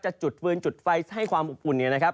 จะจุดฟื้นจุดไฟให้ความอุบอุ่นนะครับ